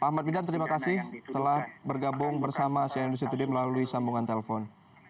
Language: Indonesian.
pak ahmad bidan terima kasih telah bergabung bersama saya dan dut setudie melalui sambungan telepon